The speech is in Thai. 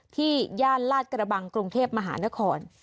ย่านลาดกระบังกรุงเทพมหานคร